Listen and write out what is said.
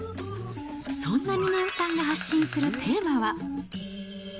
そんな峰代さんが発信するテーマは。